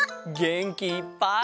げんきいっぱい！